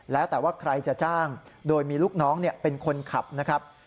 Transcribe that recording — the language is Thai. แล้วแต่ว่าใครจะจ้างโดยมีลูกน้องเป็นคนขับนะครับ